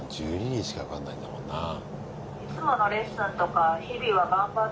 １２人しか受かんないんだもんなあ。